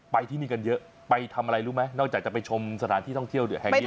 ที่นี่กันเยอะไปทำอะไรรู้ไหมนอกจากจะไปชมสถานที่ท่องเที่ยวแห่งนี้